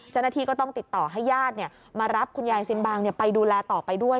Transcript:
เจ้าหน้าที่ก็ต้องติดต่อให้ญาติมารับคุณยายซินบางไปดูแลต่อไปด้วย